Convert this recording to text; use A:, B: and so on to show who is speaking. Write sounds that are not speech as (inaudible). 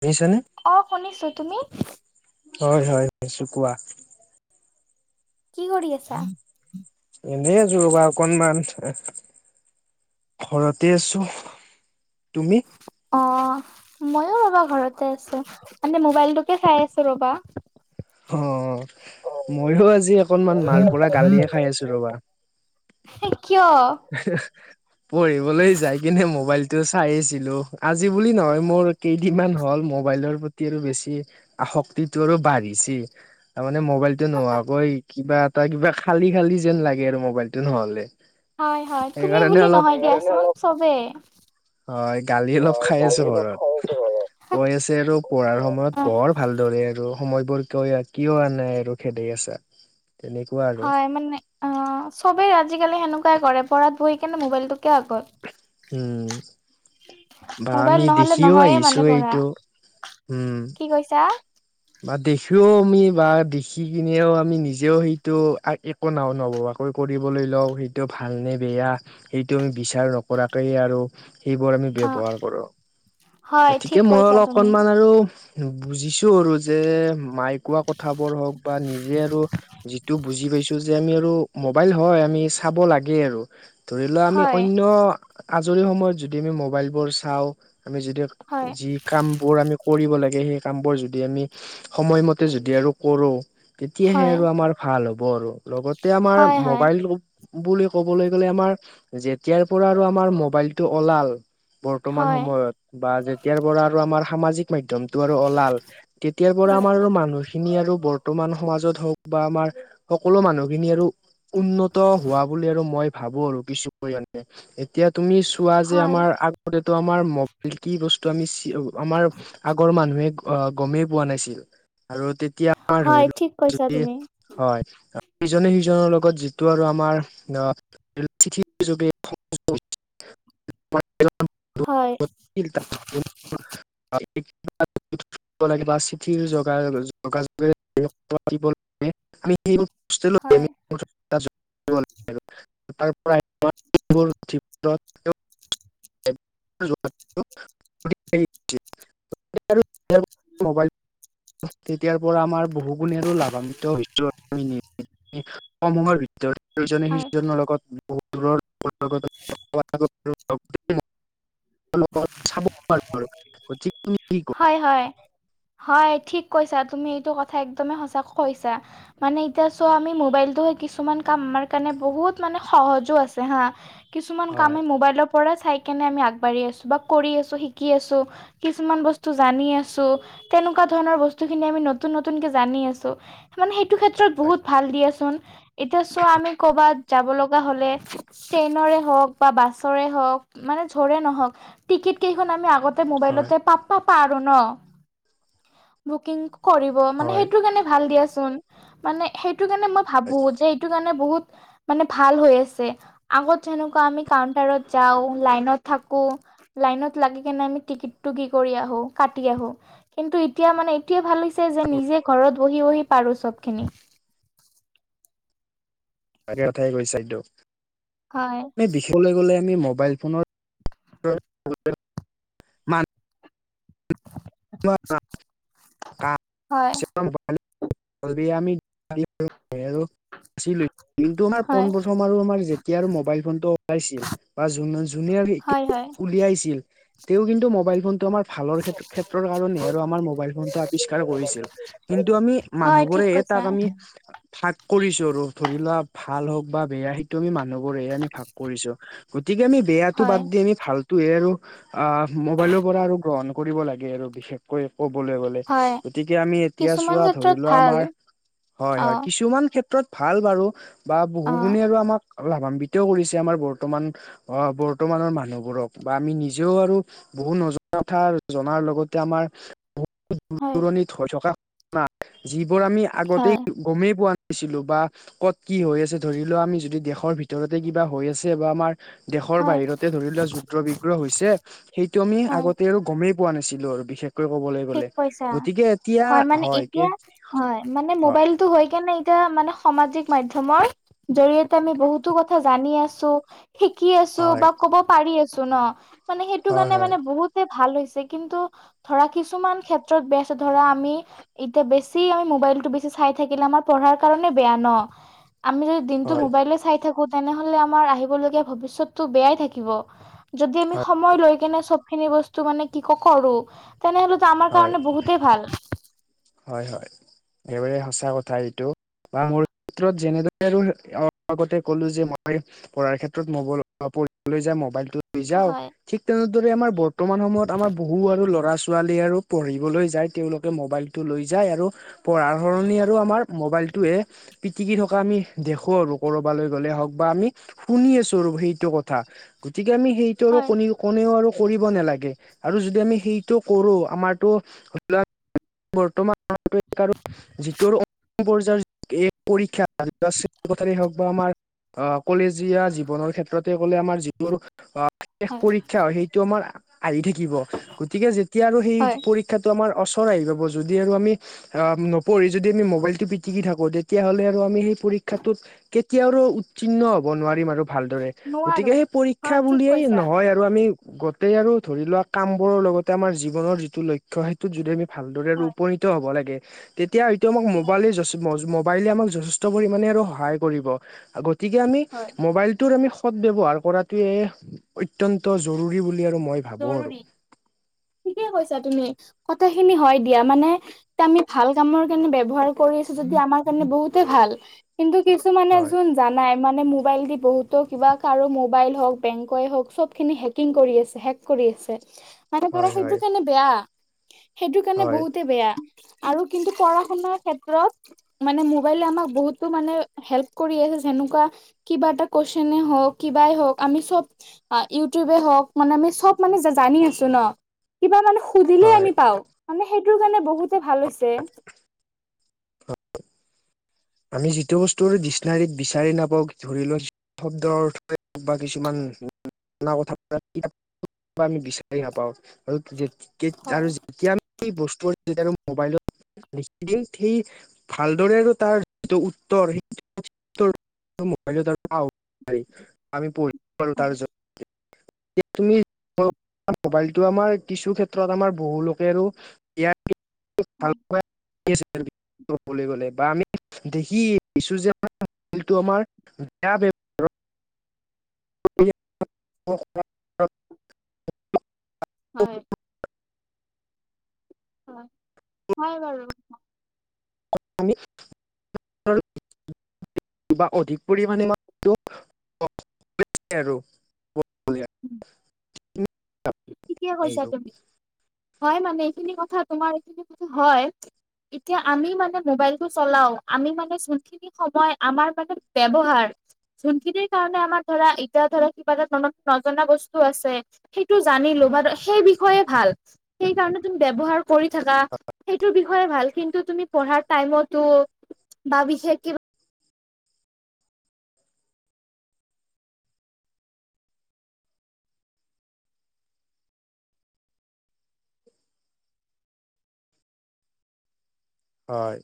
A: দিছেনে
B: অ শুনিছো। তুমি?
A: হয় হয় (unintelligible) কোৱা
B: কি কৰি আছা?
A: এনেই আছো ৰ'বা অকনমান থ আ ঘৰতে আছো, তুমি?
B: অ। মইও ৰ'বা ঘৰতে আছো মানে মোবাইলটোকে চাই আছো ৰ'বা।
A: অ মইয়ো আজি অকনমান মাৰ পৰা গালিয়ে খাই আছো ৰ'বা।
B: হে কিয়?
A: হে হে পঢ়িবলৈ যাই কিনে মোবাইল টো চাই আছিলো। আজি বুলি নহয় মোৰ কেইদিনমান হ'ল মোবাইলৰ প্ৰতি আৰু বেছি আসক্তিটো আৰু বাঢ়িছে। তাৰ মানে মোবাইলটো নোহোৱাকৈ কিবা এটা কিবা খালি খালি যেন লাগে আৰু মোবাইলটো নহ'লে।
B: হয় হয় তুমি
A: সেইকাৰণে
B: বুলি
A: অলপ
B: নহয় দিয়া চব চবে।
A: হয়, গালি অলপ খাই আছো ঘৰত। কৈ আছে আৰু পঢ়াৰ সময়ত পঢ় ভালদৰে আৰু সময়বোৰ ক কিয় আহা নাই আৰু খেদি আছা। তেনেকুৱা আৰু
B: হয় মানে অ, চবেই আজিকালি সেনেকুৱাই কৰে পঢ়াত বহি কেনে মোবাইলটোকে আগত।
A: উম। বা
B: মোবাইল
A: আমি
B: নহ'লে
A: দেখিও
B: নহয়ে
A: আহিছো
B: মানে পঢ়া।
A: এইটো উম
B: কি কৈছা?
A: বা দেখিও আমি বা দেখি কিনেও আমি নিজেও সেইটো আ ইত একো নও নভবাকৈ কৰিবলৈ লওঁ সেইটো ভাল নে বেয়া সেইটো আমি বিচাৰ নকৰাকেই আৰু সেইবোৰ আমি
B: অ
A: ব্যৱহাৰ কৰো,
B: হয়
A: গতিকে
B: ঠিক
A: মই
B: কৈছা
A: অলপ
B: তুমি
A: অকনমান আৰু বুজিছো আৰু যে মাই কোৱা কথা কথাবোৰ হওঁক বা নিজে আৰু যিটো বুজি পাইছো যে আমি আৰু মোবাইল হয় আমি চাব লাগে আৰু ধৰি লোৱা আমি
B: হয়
A: অন্য আজৰি সময়ত যদি আমি মবাইলবোৰ চাওঁ, আমি যদি
B: হয়
A: যি কামবোৰ আমি কৰিব লাগে সেই কামবোৰ যদি আমি সময়মতে যদি আৰু কৰো, তেতিয়াহে
B: হয়
A: আৰু আমাৰ ভাল হ'ব আৰু, লগতে আমাৰ
B: হয় হয়
A: ম'বাইলটো বুলি ক'বলৈ গ'লে আমাৰ যেতিয়াৰ পৰা আৰু আমাৰ মোবাইলটো ওলাল বৰ্তমান
B: হয়
A: সময়ত বা যেতিয়াৰ পৰা আৰু আমাৰ সামাজিক মাধ্যমটো আৰু ওলাল তেতিয়াৰ পৰা
B: হয়
A: আমাৰ আৰু মানুহ খিনি আৰু বৰ্তমান সমাজত হওক বা আমাৰ সকলো মানুহ খিনি আৰু উন্নত হোৱা বুলি আৰু মই ভাবো আৰু কিছু পৰিমানে। এতিয়া তুমি চোৱা যে
B: হয়
A: আমাৰ আগতেটো আমাৰ ম'বাইল কি বস্তু আমি চি আমাৰ আগৰ মানুহে গমেই পোৱা নাছিল আৰু তেতিয়া
B: হয় ঠিক কৈছা তুমি
A: (unintelligible) হয় ইজনে সিজনৰ লগত যিটো আৰু আমাৰ অ চিঠিৰ যোগে (unintelligible)
B: হয়
A: (unintelligible) থব লাগে বা চিঠিৰ যোগাৰ যোগাযোগে
B: হয়।
A: (unintelligible) বু (unintelligible) (unintelligible) (unintelligible) (unintelligible) ম'বাইল তেতিয়াৰ পৰা আমাৰ বহু গুণে লাভান্বিত হৈছো (unintelligible) সমূহৰ ভিতৰত ইজনে
B: হয়
A: সিজনৰ লগত বহুত দূৰৰ (unintelligible) চাব (unintelligible) কোৱা
B: হয় হয় হয় ঠিক কৈছা তুমি, এইটো কথা একদমে সঁচাকে কৈছা। মানে এতিয়া চোৱা আমি মোবাইলটোৱে কিছুমান কাম আমাৰ কাৰণে বহুত মানে সহজো আছে হা কিছুমান কামে
A: হয়
B: ম'বাইলক পৰা চাই কেনে আমি আগবাঢ়ি আছো বা কৰি আছো, শিকি আছো কিছুমান ব স্তু জানি আছো তেনেকুৱা ধৰণৰ বস্তু খিনি আমি নতুন নতুনকে জানি আছো। মানে সেইটো ক্ষেত্ৰত বহুত ভাল দিয়াচোন, এতিয়া চোৱা আমি ক'বাত যাব লগা হ'লে ট্ৰেইনৰে হওক বা বাছৰে হওক মানে যৰে নহওক টিকেট কেইখন আমি আগ
A: হয়
B: মবাইলতে পা পাৰোঁ ন বুকিং কৰি ব মানে
A: হয়
B: সেইটো কাৰণে ভাল দিয়াচোন, মানে সেইটো কাৰণে মই ভাবো যে এইটো কাৰণে বহুত-শ মানে ভাল হৈ আছে, আগত যেনেকুৱা আমি কাউণ্টাৰত যাওঁ, লাইনত থাকো লাইনত লাগি কেনে আমি টিকেটটো কি কৰি আহো কাটি আহো, কিন্তু এতিয়া মানে এইটোৱে ভাল হৈছে যে নিজে ঘৰত বহি বহি পাৰো চব খিনি।
A: (unintelligible) কথাই কৈছা এইটো।
B: হয়।
A: দেখিবলৈ গ'লে আমি মোবাইল ফোনত (unintelligible)
B: হয়
A: (unintelligible) (unintelligible) (unintelligible) কিন্তু আমাৰ
B: হয়
A: পোন প্ৰথম আৰু আমাৰ যেতিয়া আৰু মোবাইল ফোনটো ওলাইছিল বা যোন যোনে
B: হয় হয়
A: উলিয়াইছিল তেওঁ কিন্তু ম'বাইল ফোনটো আমাৰ ভালৰ ক্ষেত্ৰত (unintelligible) কাৰণে আৰু আমাৰ মোবাইল ফোন টো আৱিষ্কাৰ কৰিছিল কিন্তু আমি
B: হয় ঠিক
A: মানুহবোৰেহে
B: কৈছা
A: তাক আমি ভাগ কৰিছো আৰু ধৰি লোৱা ভাল হওক বা বেয়া সেইটো আমি মানুহবোৰেহে আমি ভাগ কৰিছো গতিকে আমি বেয়াটো
B: হয়।
A: বাদ দি আমি ভালটোহে আৰু অ মোবাইলৰ পৰা আৰু গ্ৰহণ কৰিব লাগে। আৰু বিশেষকৈ ক'বলৈ গল।
B: হয়
A: গতিকে আমি এতিয়া
B: কিছুমান
A: চোৱা ধৰি
B: ক্ষেত্ৰত
A: লোৱা
B: ভাল
A: আমাৰ হয়
B: অ
A: হয় কিছুমান ক্ষে ক্ষেত্ৰত ভাল বাৰু বা বহু
B: অ
A: গুণে আৰু আমাক লাভান্বিতও কৰিছে আমাৰ বৰ্তমান অ' বৰ্তমানৰ মানুহবোৰক বা আমি নিজেও আৰু বহুত নজনা কথা জনাৰ লগত আগতে আমাৰ বহু দূৰ
B: হয়
A: দূৰণিত হৈ থকা ঘটনা যিবোৰ আমি আগতেই
B: হয়
A: গমেই পোৱা নাছিলো বা ক'ত কি হৈ আছে ধৰি লোৱা আমি যদি দেশৰ ভিতৰতে কিবা হৈ আছে বা আমাৰ দেশৰ
B: হয়
A: বাহিৰতে ধৰি লোৱা যুদ্ধ বিগ্ৰহ হৈছে সেইটো আমি
B: হয়
A: আগতে আৰু গমেই পোৱা নাচো লো আৰু বিশেষ (unintelligible)
B: ঠিক কৈছা হয় মানে এতিয়া হয় মানে মোবাইলটো হয় কেনে এতিয়া মানে সামাজিক মাধ্যমৰ জৰিয়তে আমি বহুতো কথা জানি আছো। শিকি আছো
A: হয়
B: বা ক'ব পাৰি আছো ন মানে সেইটো কাৰনে
A: হয়
B: মানে বহুত ভাল হৈছে কিন্তু ধৰা কিছুমান ক্ষেত্ৰত বেস ধৰা আমি এতিয়া বেছি আমি মোবাইলটো বেছি চাই থাকিলে আমাৰ পঢ়াৰ কাৰণে বেয়া ন আমি যদি দিনটো
A: হয় হয়
B: মোবাইলে চাই থাকো তেনেহলে আমাৰ আহিবলগীয়া ভবিষ্যতটো বেয়াই থাকিব। যদি আমি
A: হয়
B: সময় লৈ কেনে চব খিনি বস্তু মানে কি (unintelligible) কৰো। তেনেহ'লেতো আমাৰ
A: হয়
B: কাৰণে বহুতেই ভাল।
A: হয়, হয়। এইবাৰে সঁচা কথা এইটো বা মোৰ ক্ৰত যেনেদৰে আগতে কলো যে মই পঢ়াৰ ক্ষেত্ৰত মই বোলো পঢ়িবলৈ যে মবাইলটো লৈ যাওঁ।
B: হয়
A: ঠিক তেনেদৰে আমাৰ বৰ্তমান সময়ত আমাৰ বহু আৰু ল'ৰা ছোৱালী আৰু পঢ়িবলৈ যায় তেওঁলোকে মোবাইল টো লৈ যায় আৰু পঢ়াৰ সলনি আৰু আমাৰ মোবাইলটোহে পিটিকি থকা আমি দেখো আৰু কৰবালৈ গ'লে হওক বা আমি শুনি আছো আৰু সেইটো কথা। গতিকে আমি সেইটো আৰু
B: হয়,
A: কোনোও কোনেও আৰু কৰিব নালাগে আৰু যদি আমি সেইটো কৰো আমাৰতো বৰ্তমান আৰু (unintelligible) যিটোৰ (unintelligible) পৰ্যায়ৰ এই পৰীক্ষা (unintelligible) কথাৰে হওক। বা আমাৰ আ কলেজীয়া জীৱনৰ ক্ষেত্ৰতে কলে আমাৰ যি মোৰ অ শেষ
B: হয়,
A: পৰীক্ষা হয় সেইটো আমাৰ। আহি থাকিব গতিকে যেতিয়া আৰু সেই
B: হয়,
A: পৰীক্ষাটো আমাৰ ওচৰ আহি পাব যদি আৰু আমি নপঢ়ি যদি আমি মবাইলটো পিটিকি থাকো তেতিয়াহলে আৰু আমি সেই পৰিক্ষাটোত কেতিয়াওঁ আৰু উত্তীৰ্ণ হব নোৱাৰিম আৰু ভালদৰে
B: নোৱাৰো
A: গতিকে সেই পৰীক্ষা
B: হয় ঠিক
A: বুলিয়েই
B: কৈছা
A: নহয় আৰু। আৰু আমি গোটেই আৰু ধৰি লোৱা কামবোৰৰ লগতে আমাৰ জীৱনৰ যিটো লক্ষ্য সেইটো যদি আমি ভালদৰে আৰু
B: হয়,
A: উপনিত হ'ব লাগে তেতিয়া হয়তো আমাক মোবাইলে যথে পাৰিলে আমাৰ যথেষ্ট পৰিমাণে আৰু সহায় কৰিব গতিকে আমি
B: হয়,
A: মোবাইলটো আমি সদ ব্যৱহাৰ কৰাটোৱে অত্যন্ত জৰুৰী বুলি আৰু মই ভাবো আৰু।
B: জৰুৰী ঠিকে কৈছা তুমি কথাখিনি হয় দিয়া মানে এতিয়া আমি ভাল কামৰ কাৰণে ব্যৱহাৰ কৰি আছো যদি আমাৰ কাৰণে বহুতে ভাল কিন্তু কিছুমানক
A: হয়,
B: যোন জানাই মানে মোবাইল দি বহুতো কিবা কাৰো মোবাইল হওক বেংকই হওক চবখিনি হেকিং কৰি আছে হেক কৰি আছে মানে ধৰা
A: হয়, হয়,
B: সেইটোৰ কাৰণে বেয়া সেইটোৰ কাৰণে
A: হয়,
B: বহুতে বেয়া। আৰু কিন্তু পঢ়া শুনাৰ ক্ষেত্ৰত মানে মোবাইলে আমাক বহুতো মানে হেল্প কৰি আছে যেনেকুৱা কিবা এটা কুৱেশনে হওক কিবাই হওক আমি চব ইউটিউব হওক মানে আমি চব মানে জানি আছো ন কিবা মানে সুধিলেই
A: হয়।
B: আমি পাও মানে সেইটোৰ কাৰণে বহুতে ভাল হৈছে। দে
A: আমি যিটো বস্তুৰ ডিচনাৰীত বিচাৰি নাপাওঁ ধৰি লোৱা শব্দৰ অৰ্থ বা কিছুমান না (unintelligible) কথাৰ পৰা বা আমি বিচাৰি নাপাওঁ আৰু আৰু
B: হয়।
A: যেতিয়া আমি সেই বস্তু যেতিয়া আৰু মোবাইলত দ সেইটো সেই ভালদৰে আৰু তাৰ যিটো উত্তৰ সেই উত্তৰ ম'বাইলত (unintelligible) আমি পঢ়িম আৰু তাৰ য'ত
B: (inaudible)
A: এতিয়া তুমি মোবাইলটো আমাৰ কিছু ক্ষেত্ৰত আমাৰ বহু লোকে আৰু তিয়া আমি ভাল কৈ (unintelligible) ক'বলৈ গলে বা আমি দেখি আহিছো যে (unintelligible) আমাৰ বেয়া বে অ (unintelligible)
B: হয় হয় হয় বাৰু
A: আ আমি কি হ'ল। কিবা অধিক পৰিমণে মান (unintelligible) আৰু
B: উম ঠিকে কৈছা তুমি হয় মানে এইখিনি কথা তোমাৰ এইখিনি কথা হয়। এতিয়া আমি মানে মোবাইলটো চলাও আমি মানে চি কি সময় আমাৰ বাবে ব্যৱহাৰ, যোনখিনিৰ কাৰণে আমাৰ ধৰা এতিয়া ধৰা কিবা এটা মনত নজনা বস্তু আছে। সেই টো জানি লবাটো সেই বিষয়ে ভাল সেই কাৰণে তুমি ব্যৱহাৰ কৰি থাকা সেইটো বিষয়টো য়ে ভাল কিন্তু তুমি পঢ়াৰ টাইমতো বা বিশেষ কিবা
A: হয়।